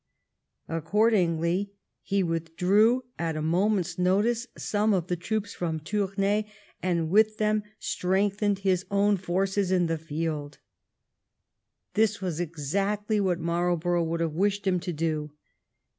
Accordingly he withdrew at a moment's notice some of the troops from Tournay and with them strengthened his own forces in the field. This was exactly what Marlborough would have wished him to do.